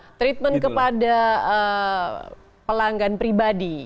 ada treatment kepada pelanggan pribadi